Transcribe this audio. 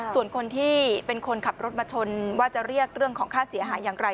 ส่วนคนที่เป็นคนขับรถมาชนว่าจะเรียกเรื่องของค่าเสียหายอย่างไร